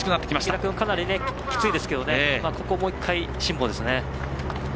池田君かなりきついですけどここ、もう一回、辛抱ですね。